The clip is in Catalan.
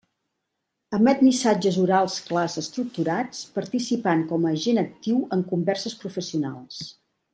Emet missatges orals clars estructurats, participant com a agent actiu en converses professionals.